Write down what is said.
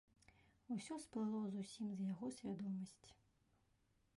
Усё сплыло зусім з яго свядомасці.